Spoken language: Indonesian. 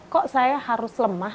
kok saya harus lemah